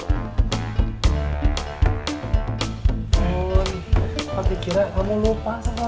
aku pikir kamu lupa sama lantai